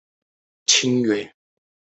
因此离散空间的不同概念是相互兼容的。